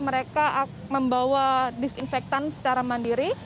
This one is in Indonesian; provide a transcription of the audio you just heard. mereka membawa disinfektan secara mandiri